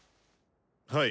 はい。